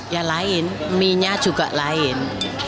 ya lain mienya juga lain